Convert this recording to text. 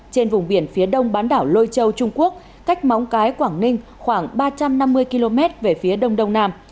trên vùng biển phía đông bán đảo lôi châu trung quốc cách móng cái quảng ninh khoảng ba trăm năm mươi km về phía đông đông nam